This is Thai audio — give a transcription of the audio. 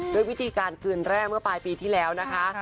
ด้วยวิธีการคืนแรกเมื่อปลายปีที่แล้วนะคะ